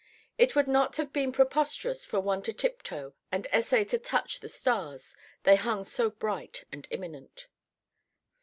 It would not have been preposterous for one to tiptoe and essay to touch the stars, they hung so bright and imminent.